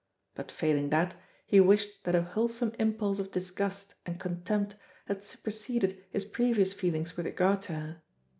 But failing that, he wished that a wholesome impulse of disgust and contempt had superseded his previous feelings with regard to her.